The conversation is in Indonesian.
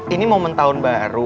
ini momen tahun baru